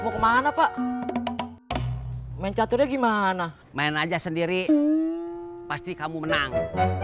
mau kemana pak main caturnya gimana main aja sendiri pasti kamu menang